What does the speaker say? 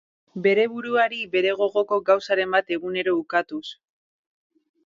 Bere buruari bere gogoko gauzaren bat egunero ukatuz.